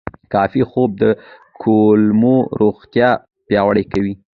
کافي خوب د کولمو روغتیا پیاوړې کوي.